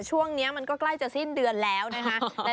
ช่วงนี้มันก็ใกล้จะสิ้นเดือนแล้วนะคะ